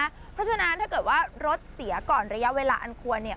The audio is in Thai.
เพราะฉะนั้นถ้าเกิดว่ารถเสียก่อนระยะเวลาอันควรเนี่ย